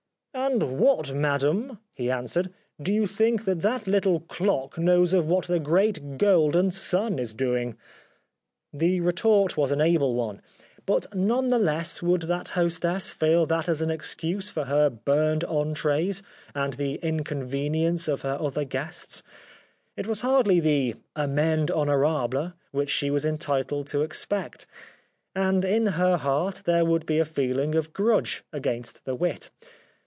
" And what, madam," he answered, 170 The Life of Oscar Wilde " do you think that that Httle clock knows of what the great golden sun is doing ?" The re tort was an able one ; but none the less would that hostess feel that as an excuse for her burned entrdes and the inconvenience of her other guests ; it was hardly the amende honorable which she was entitled to expect, and in her heart there would be a feeling of grudge against the wit.